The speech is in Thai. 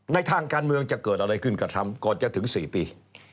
ทางการเมืองจะเกิดอะไรขึ้นกระทำก่อนจะถึง๔ปี